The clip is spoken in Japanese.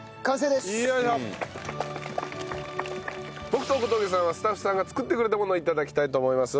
僕と小峠さんはスタッフさんが作ってくれたものを頂きたいと思います。